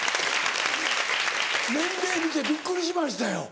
年齢見てびっくりしましたよ。